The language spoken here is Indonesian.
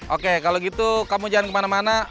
oke kalau gitu kamu jangan kemana mana